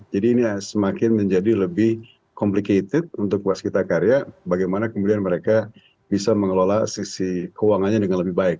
jadi ini semakin menjadi lebih complicated untuk waskita karya bagaimana kemudian mereka bisa mengelola sisi keuangannya dengan lebih baik